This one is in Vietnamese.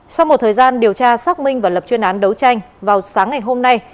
sau một thời gian điều tra xác minh và lập chuyên án đấu tranh vào sáng ngày hôm nay